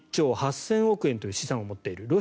１兆８０００億円という資産を持っている。